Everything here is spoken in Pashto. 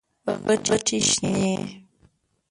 غټي شنې،